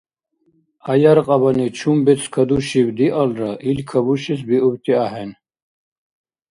ГӀяяркьябани чум бецӀ кадушиб диалра, ил кабушес биубти ахӀен.